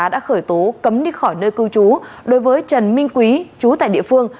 đã khởi tố cấm đi khỏi nơi cư trú đối với trần minh quý chú tại địa phương